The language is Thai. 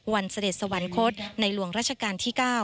เสด็จสวรรคตในหลวงราชการที่๙